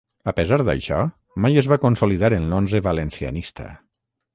A pesar d'això, mai es va consolidar en l'onze valencianista.